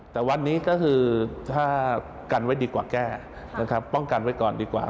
แต่วันนี้ก็คือถ้ากันไว้ดีกว่าแก้นะครับป้องกันไว้ก่อนดีกว่า